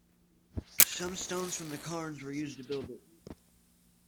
Some stones from the cairns were used to build it.